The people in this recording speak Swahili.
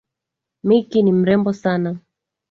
Micky ni mrembo sana.